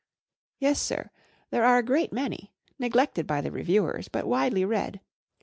1 Yes, sir, there are a great many, neglected by the reviewers but widely read.